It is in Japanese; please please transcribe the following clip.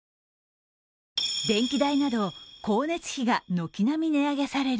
電気代など光熱費が軒並み値上げされる